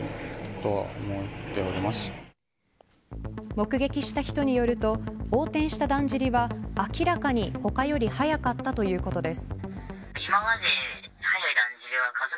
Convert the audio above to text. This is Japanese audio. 目撃した人によると横転しただんじりは明らかに他より速かったということです。